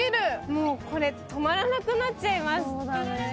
もうこれ止まらなくなっちゃいます。